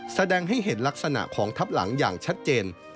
แสดงให้เห็นลักษณะของทับหลังอย่างชัดเจน